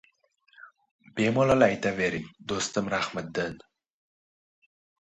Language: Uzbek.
Bemalol aytavering do‘stim Rahmiddin